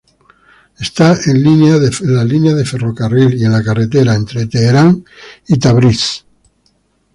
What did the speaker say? Está en la línea de ferrocarril y en la carretera entre Teherán y Tabriz.